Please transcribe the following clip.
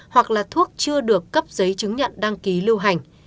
hoặc là thuốc chưa được cấp giấy chứng nhận đăng ký lưu hành